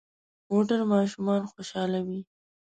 موټر ماشومان خوشحالوي.